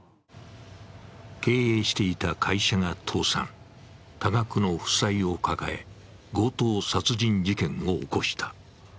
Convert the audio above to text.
経営していた会社が倒産、多額の負債を抱え、強盗殺人事件を起こした。